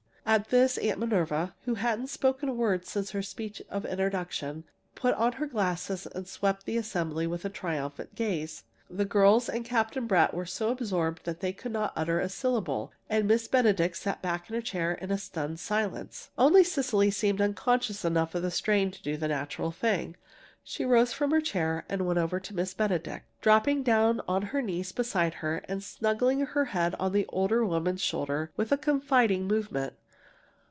At this Aunt Minerva, who hadn't spoken a word since her speech of introduction, put on her glasses and swept the assembly with a triumphant gaze. The girls and Captain Brett were so absorbed that they could not utter a syllable, and Miss Benedict sat back in her chair in a stunned silence. Only Cecily seemed unconscious enough of the strain to do the natural thing. She rose from her chair and went over to Miss Benedict, dropping down on her knees beside her, and snuggling her head on the older woman's shoulder with a confiding movement.